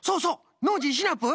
ノージーシナプー。